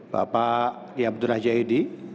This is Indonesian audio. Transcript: bapak yabdurah jahidi